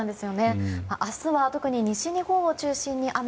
明日は特に西日本を中心に雨。